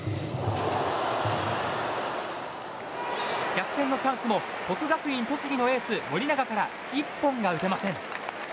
逆転のチャンスも国学院栃木のエース盛永から一本が打てません。